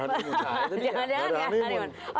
jangan jangan tidak ada